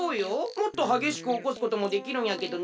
もっとはげしくおこすこともできるんやけどね。